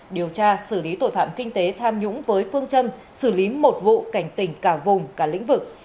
điều tra xử lý tội phạm kinh tế tham nhũng với phương châm xử lý một vụ cảnh tình cả vùng cả lĩnh vực